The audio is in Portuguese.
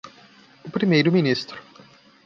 O primeiro ministro.